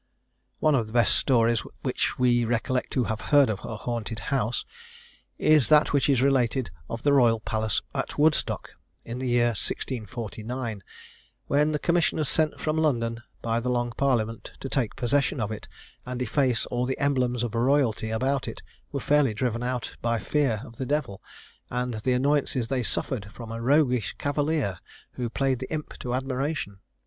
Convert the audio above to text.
One of the best stories which we recollect to have heard of a haunted house, is that which is related of the Royal Palace at Woodstock, in the year 1649, when the commissioners sent from London by the Long Parliament to take possession of it, and efface all the emblems of royalty about it, were fairly driven out by their fear of the devil, and the annoyances they suffered from a roguish cavalier, who played the imp to admiration.